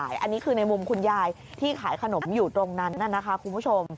อันนี้คือในมุมคุณยายที่ขายขนมอยู่ตรงนั้นน่ะนะคะคุณผู้ชม